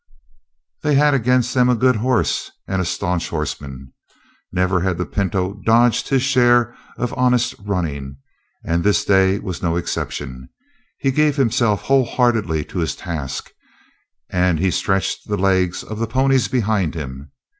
They had against them a good horse and a stanch horseman. Never had the pinto dodged his share of honest running, and this day was no exception. He gave himself whole heartedly to his task, and he stretched the legs of the ponies behind him.